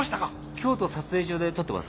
京都撮影所で撮ってます